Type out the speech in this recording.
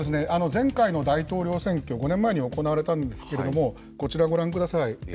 前回の大統領選挙、５年前に行われたんですけども、こちら、ご覧ください。